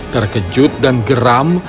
terkejut dan geram